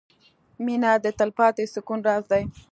• مینه د تلپاتې سکون راز دی.